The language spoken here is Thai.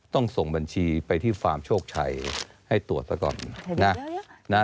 ส่งบัญชีไปที่ฟาร์มโชคชัยให้ตรวจซะก่อนนะ